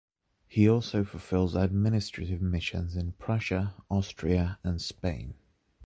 He also fulfills administrative missions in Prussia, Austria and Spain.